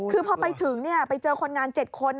คือพอไปถึงไปเจอคนงาน๗คน